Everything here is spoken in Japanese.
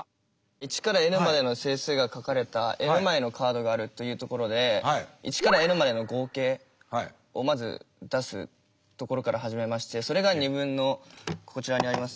１からｎまでの整数が書かれたｎ枚のカードがあるというところで１からｎまでの合計をまず出すところから始めましてそれが２分のこちらにあります